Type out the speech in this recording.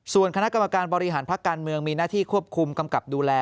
ส่วนคณะกรรมการบริหารพักการเมืองมีหน้าที่ควบคุมกำกับดูแล